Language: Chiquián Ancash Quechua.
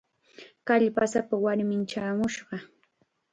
Kallpasapa warmim chaamushqa.